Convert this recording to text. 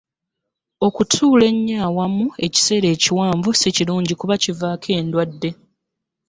Okutuula ennyo awamu ekiseera ekiwanvu si kirungi kuba kivaako endadde.